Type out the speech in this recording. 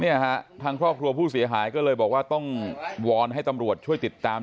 เนี่ยฮะทางครอบครัวผู้เสียหายก็เลยบอกว่าต้องวอนให้ตำรวจช่วยติดตาม